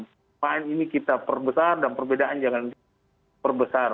persamaan ini kita perbesar dan perbedaan jangan jangan perbesar